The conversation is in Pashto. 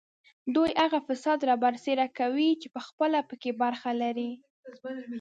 دوی هغه فساد رابرسېره کوي چې پخپله په کې برخه لري